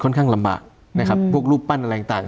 ค่อนข้างลำบากพวกรูปปั้นอะไรต่าง